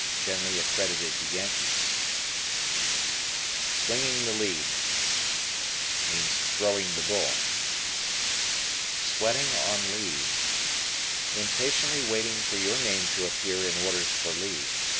Generally accredited to Yankees. "Swinging the lead." Throwing the bull. "Sweating on leave." Impatiently waiting for your name to appear in orders for leave.